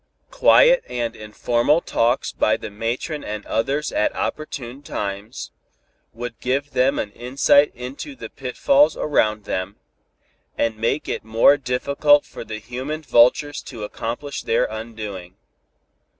Quiet and informal talks by the matron and others at opportune times, would give them an insight into the pitfalls around them, and make it more difficult for the human vultures to accomplish their undoing.